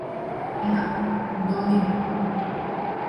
না, ডলি নয়।